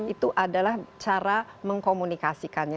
itu adalah cara mengkomunikasikannya